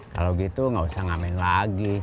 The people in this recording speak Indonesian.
kalau gitu nggak usah ngamen lagi